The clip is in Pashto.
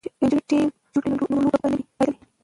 که نجونې ټیم جوړ کړي نو لوبه به نه وي بایللې.